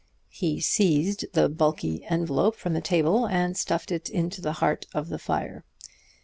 He seized the bulky envelop from the table, and stuffed it into the heart of the fire.